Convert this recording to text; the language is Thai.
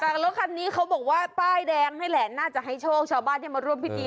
แต่โรคนนี้เขาบอกว่าป้ายแดงน่าจะให้โชคชาวบ้านยังมารวมพิธี